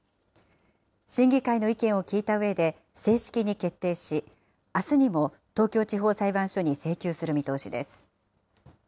審議会の意見を聴いたうえで、正式に決定し、あすにも東京地方裁判所に請求する見通しです。